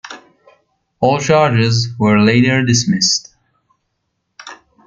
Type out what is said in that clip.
All charges were later dismissed.